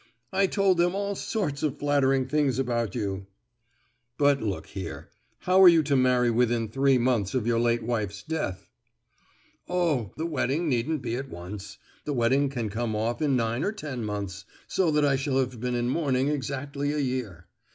"I told them all sorts of flattering things about you." "But, look here, how are you to marry within three months of your late wife's death?" "Oh! the wedding needn't be at once. The wedding can come off in nine or ten months, so that I shall have been in mourning exactly a year.